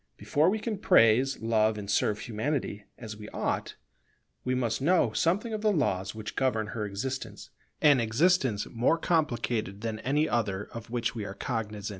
Before we can praise, love, and serve Humanity as we ought, we must know something of the laws which govern her existence, an existence more complicated than any other of which we are cognizant.